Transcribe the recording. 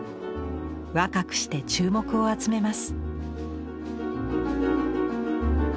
若くして注目を集めます。